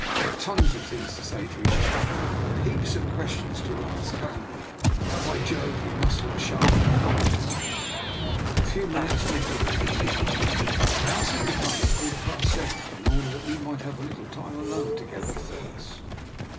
We've tons of things to say to each other, and heaps of DR. NIKOLA'S EXPERIMENT. 39 questions to ask, haven't we? And, by Jove, we must look sharp about it too, for in a few minutes Nikola will be here. I asked him to come at a quarter past seven, in order that we might have a little time alone to gether first."